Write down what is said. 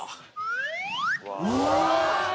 うわ！